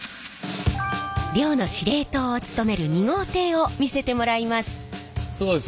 漁の司令塔を務める２号艇を見せてもらいます。